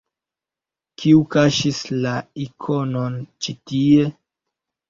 Kiu kaŝis la ikonon ĉi tie?